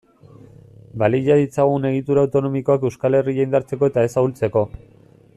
Balia ditzagun egitura autonomikoak Euskal Herria indartzeko eta ez ahultzeko.